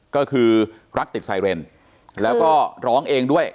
ก็คือรักติดไซเรนแล้วก็ร้องเองด้วย